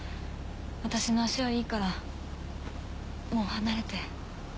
私の足はいいからもう離れて。